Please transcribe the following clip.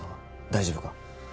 大丈夫か？